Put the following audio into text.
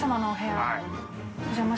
はい。